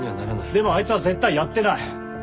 でもあいつは絶対やってない！